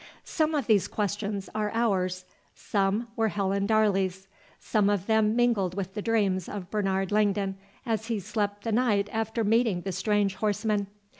Some of these questions are ours. Some were Helen Darley's. Some of them mingled with the dreams of Bernard Langdon, as he slept the night after meeting the strange horseman.